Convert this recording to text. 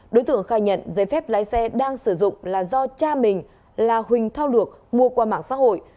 đối tượng khai nhận giấy phép lái xe đang sử dụng là do cha mình là huỳnh thao lược mua qua mạng xã hội